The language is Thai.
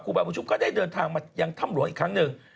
บาบุญชุมก็ได้เดินทางมายังถ้ำหลวงอีกครั้งหนึ่ง